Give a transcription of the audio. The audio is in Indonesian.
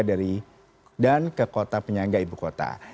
dari dan ke kota penyangga ibu kota